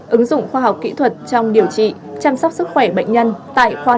ứng dụng khoa học kỹ thuật trong điều trị chăm sóc sức khỏe bệnh nhân